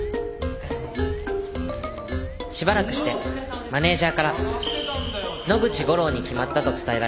しばらくしてマネージャーから野口五郎に決まったと伝えられた